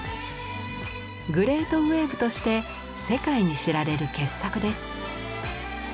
「グレートウエーブ」として世界に知られる傑作です。